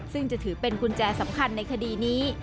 ซึ่งจะถือเป็นกุญแจสำคัญในคดีนี้